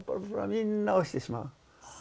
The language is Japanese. みんな落ちてしまう。